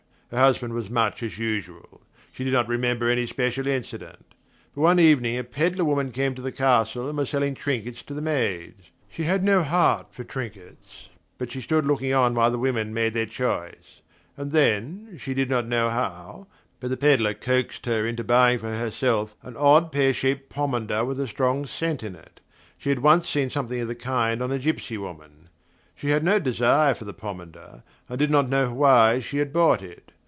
Her husband was much as usual: she did not remember any special incident. But one evening a pedlar woman came to the castle and was selling trinkets to the maids. She had no heart for trinkets, but she stood looking on while the women made their choice. And then, she did not know how, but the pedlar coaxed her into buying for herself an odd pear shaped pomander with a strong scent in it she had once seen something of the kind on a gypsy woman. She had no desire for the pomander, and did not know why she had bought it.